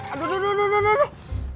aduh aduh aduh aduh